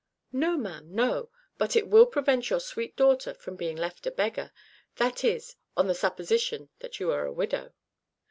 "No, ma'am, no; but it will prevent your sweet daughter from being left a beggar that is, on the supposition that you are a widow."